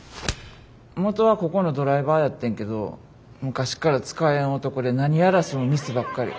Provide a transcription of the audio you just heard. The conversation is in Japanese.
もとはここのドライバーやってんけど昔から使えん男で何やらせてもミスばっかり。